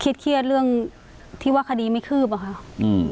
เครียดเรื่องที่ว่าคดีไม่คืบอะค่ะอืม